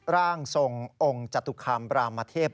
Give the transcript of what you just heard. ร่างทรงองค์จตุคามบรามเทพ